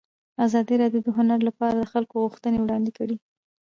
ازادي راډیو د هنر لپاره د خلکو غوښتنې وړاندې کړي.